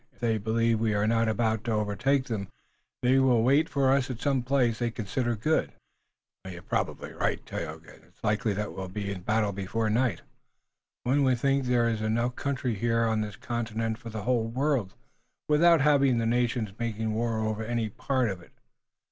If they believe we are not about to overtake them they will wait for us at some place they consider good." "You're probably right, Tayoga, and it's likely that we'll be in battle before night. One would think there is enough country here on this continent for the whole world without having the nations making war over any part of it.